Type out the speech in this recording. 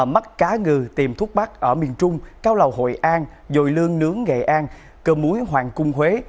mắt cá ngừ tiềm thuốc bắc ở miền trung cao lầu hội an dồi lương nướng nghệ an cơ muối hoàng cung huế